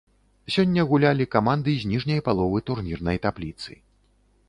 Сёння гулялі каманды з ніжняй паловы турнірнай табліцы.